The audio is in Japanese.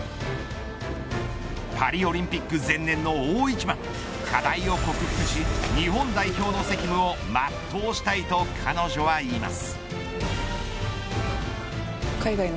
パリオリンピック前年の大一番課題を克服し、日本代表の責務を全うしたいと彼女は言います。